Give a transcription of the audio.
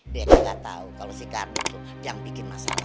biarkan dia tau kalo si kardun tuh yang bikin masalah